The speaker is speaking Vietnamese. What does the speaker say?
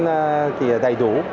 thông tin thì đầy đủ